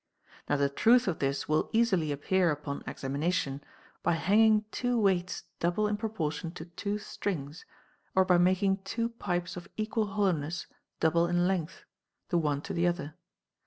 Now the truth of this will easily appear upon examination, by hanging two weights double in proportion to two strings, or by making two pipes of equal hollowness double in length, the one to the other.